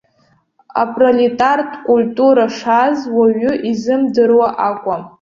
Апролетартә культура шааз уаҩы изымдыруа акәым.